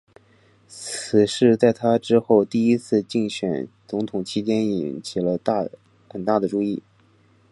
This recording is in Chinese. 此事在他之后第一次竞选总统期间引起了很大的注意。